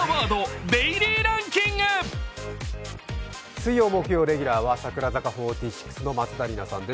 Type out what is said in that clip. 水曜、木曜レギュラーは櫻坂４６の松田里奈さんです。